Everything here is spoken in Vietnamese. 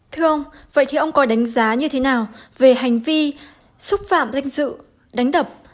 thưa ông vậy thì ông có đánh giá như thế nào về hành vi xúc phạm danh dự đánh đập